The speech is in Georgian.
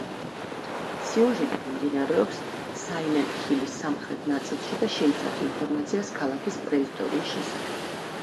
სიუჟეტი მიმდინარეობს საილენტ ჰილის სამხრეთ ნაწილში და შეიცავს ინფორმაციას ქალაქის პრეისტორიის შესახებ.